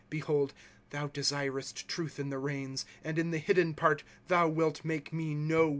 * Behold, thou desirest truth in the reins. And in the hidden part thou wilt make me know wisdom.